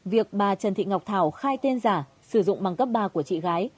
việc bà trần thị ngọc thảo khai tên giả sử dụng bằng cấp ba của chị gái